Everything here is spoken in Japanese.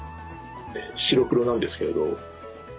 白黒なんですけど。